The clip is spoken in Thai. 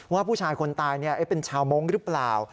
ว่าผู้ชายคนตายเป็นชาวมงค์หรือเปล่า